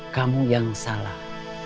kamu yang salah